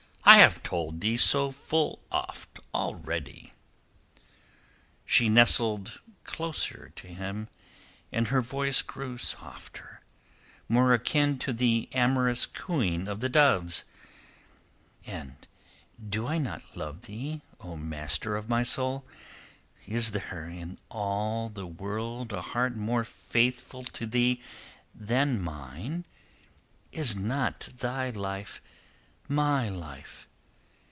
"I have told thee so full oft already." She nestled closer to him, and her voice grew softer, more akin to the amorous cooing of the doves. "And do I not love thee, O master of my soul? Is there in all the world a heart more faithful to thee than mine? Is not thy life my life?